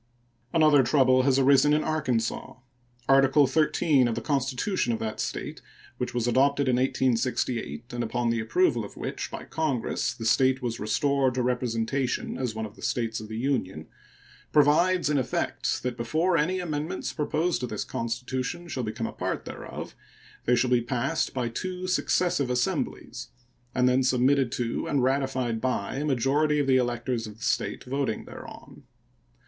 Another trouble has arisen in Arkansas. Article 13 of the constitution of that State (which was adopted in 1868, and upon the approval of which by Congress the State was restored to representation as one of the States of the Union) provides in effect that before any amendments proposed to this constitution shall become a part thereof they shall be passed by two successive assemblies and then submitted to and ratified by a majority of the electors of the State voting thereon.